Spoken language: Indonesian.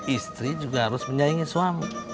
istri juga harus menyaingi suami